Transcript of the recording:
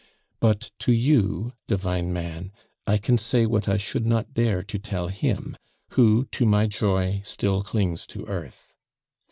But to you, divine man, I can say what I should not dare to tell him, who, to my joy, still clings to earth.